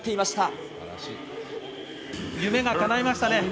夢がかないましたね。